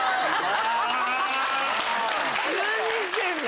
何してんの？